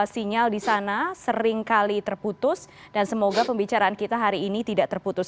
sinyal di sana seringkali terputus dan semoga pembicaraan kita hari ini tidak terputus